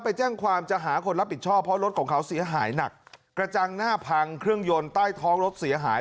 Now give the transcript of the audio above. ไปแจ้งความจะหาคนรับผิดชอบเพราะรถของเขาเสียหายหนักกระจังหน้าพังเครื่องยนต์ใต้ท้องรถเสียหาย